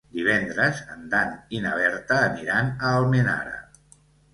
Divendres en Dan i na Berta aniran a Almenara.